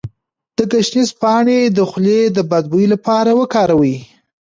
د ګشنیز پاڼې د خولې د بد بوی لپاره وکاروئ